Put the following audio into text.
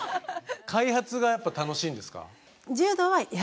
開発がやっぱ楽しいんですか？